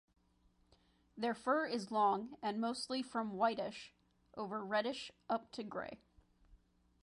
Their fur is long and mostly from whitish over reddish up to grey.